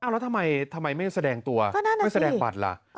แล้วทำไมไม่แสดงตัวไม่แสดงบัตรล่ะ